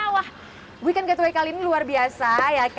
wah weekend gateway kali ini luar biasa